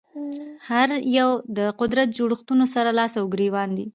هر یو د قدرت جوړښتونو سره لاس ګرېوان دي